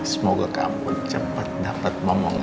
semoga kamu cepat dapat mama ngerti